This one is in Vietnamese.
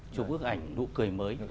chụp bức ảnh nụ cười mới